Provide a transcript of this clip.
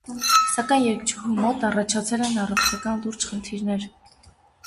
Սակայն երգչուհու մոտ առաջացել են աառողջական լուրջ խնդիրներ։